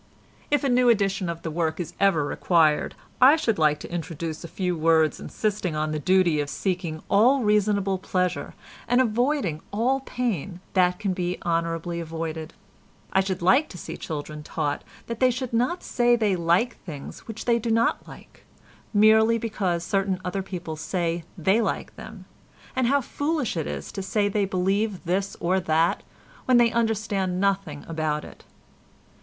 If a new edition of the work is ever required I should like to introduce a few words insisting on the duty of seeking all reasonable pleasure and avoiding all pain that can be honourably avoided. I should like to see children taught that they should not say they like things which they do not like, merely because certain other people say they like them, and how foolish it is to say they believe this or that when they understand nothing about it.